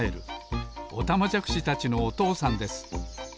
おたまじゃくしたちのおとうさんです。